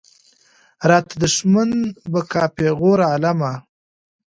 راته دښمن به کا پېغور عالمه.